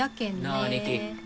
なあ姉貴。